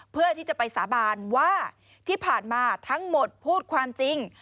เพื่อที่จะไปสาบานว่าที่ผ่านมาทั้งหมดพูดความจริง